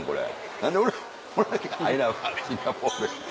何で俺俺だけ「アイラブシンガポール」。